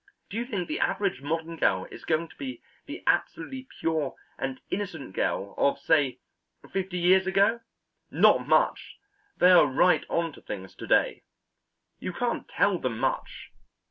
Do you think the average modern girl is going to be the absolutely pure and innocent girl of, say, fifty years ago? Not much; they are right on to things to day. You can't tell them much.